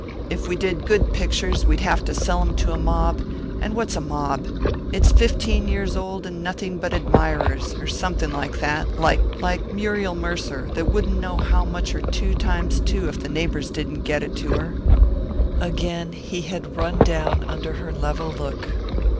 If we did good pictures we'd have to sell 'em to a mob. And what's a mob? It's fifteen years old and nothing but admirers, or something like that, like Muriel Mercer that wouldn't know how much are two times two if the neighbours didn't get it to her " Again he had run down under her level look.